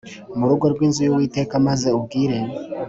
mu rugo rw inzu y Uwiteka maze ubwire